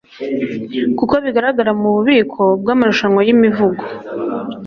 kuko bigaragara mububiko bwamarushanwa yimivugo